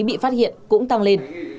bị phát hiện cũng tăng lên